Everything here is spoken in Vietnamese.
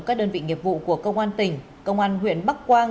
các đơn vị nghiệp vụ của công an tỉnh công an huyện bắc quang